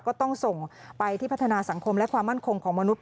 ก็ต้องส่งไปที่พัฒนาสังคมและความมั่นคงของมนุษย